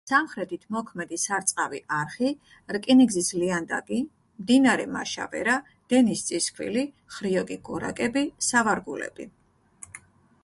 სამხრეთით მოქმედი სარწყავი არხი, რკინიგზის ლიანდაგი, მდინარე მაშავერა, დენის წისქვილი, ხრიოკი გორაკები, სავარგულები.